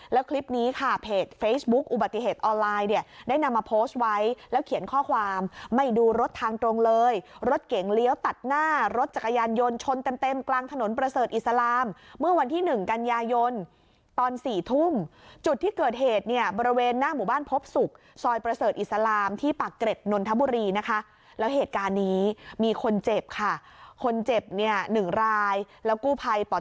แล้วคลิปนี้ค่ะเพจเฟซบุ๊คอุบัติเหตุออนไลน์เนี่ยได้นำมาโพสต์ไว้แล้วเขียนข้อความไม่ดูรถทางตรงเลยรถเก๋งเลี้ยวตัดหน้ารถจักรยานยนต์ชนเต็มเต็มกลางถนนประเสริฐอิสลามเมื่อวันที่หนึ่งกันยายนตอน๔ทุ่มจุดที่เกิดเหตุเนี่ยบริเวณหน้าหมู่บ้านพบศุกร์ซอยประเสริฐอิสลามที่ปากเกร็ดนนทบุรีนะคะแล้วเหตุการณ์นี้มีคนเจ็บค่ะคนเจ็บเนี่ยหนึ่งรายแล้วกู้ภัยป